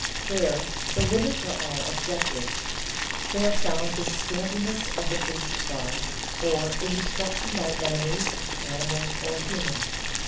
There the limits are all objective; they are found in scantiness of the food supply, or in destruction by enemies, animal or human.